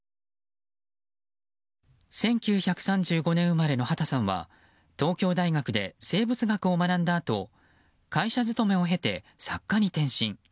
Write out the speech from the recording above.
１９３５年生まれの畑さんは東京大学で生物学を学んだあと会社勤めを経て作家に転身。